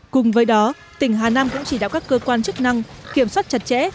cùng với đó tỉnh hà nam cũng chỉ đạo các cơ quan chức năng kiểm soát chặt chẽ